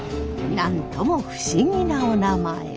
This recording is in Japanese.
なんとも不思議なおなまえ。